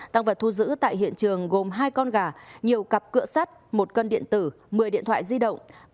tăng vật thu giữ tại hiện trường gồm hai con gà nhiều cặp cửa sắt một cân điện tử một mươi điện thoại di động